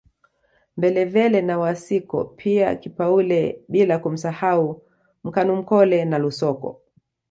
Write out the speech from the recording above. Mbelevele na Wisiko pia Kipaule bila kumsahau Mkanumkole na Lusoko